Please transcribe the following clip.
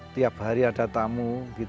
tiap hari ada tamu